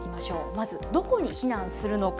まずどこに避難するのか。